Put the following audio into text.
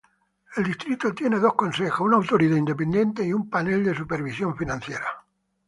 El distrito tiene dos consejos, una autoridad independiente y un panel de Supervisión Financiera.